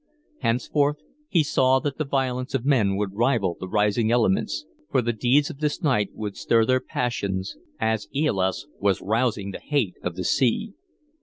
Henceforth he saw that the violence of men would rival the rising elements, for the deeds of this night would stir their passions as AEolus was rousing the hate of the sea.